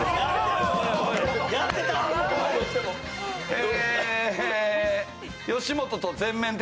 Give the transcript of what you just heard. え。